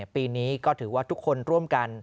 ปีนี้ก็ถือว่าทุกคนร่วมกัน